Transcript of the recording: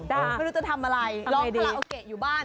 แล้วจะทำอะไรล้องคลาโอเกะอยู่บ้าน